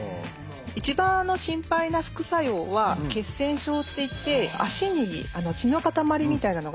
一番心配な副作用は血栓症っていって足に血の塊みたいなのが出来ちゃう。